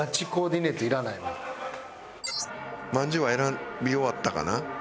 まんじゅうは選び終わったかな？